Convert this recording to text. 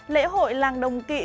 lễ hội làng đồng kỵ